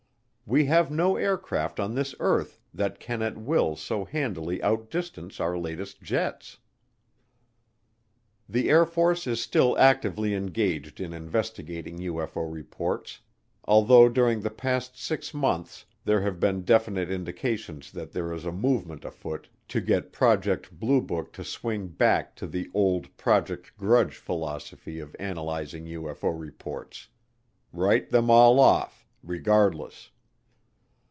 We have no aircraft on this earth that can at will so handily outdistance our latest jets. The Air Force is still actively engaged in investigating UFO reports, although during the past six months there have been definite indications that there is a movement afoot to get Project Blue Book to swing back to the old Project Grudge philosophy of analyzing UFO reports write them all off, regardless.